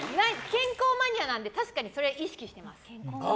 健康マニアなので確かにそれは意識してます。